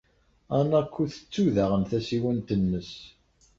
Hanako tettu daɣen tasiwant-nnes.